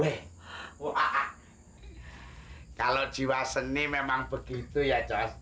wah kalau jiwa seni memang begitu ya cos